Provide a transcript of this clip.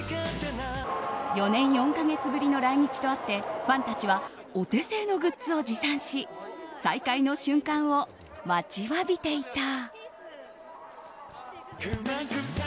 ４年４か月ぶりの来日とあってファンたちはお手製のグッズを持参し再会の瞬間を待ちわびていた。